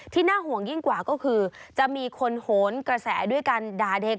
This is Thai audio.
น่าห่วงยิ่งกว่าก็คือจะมีคนโหนกระแสด้วยการด่าเด็ก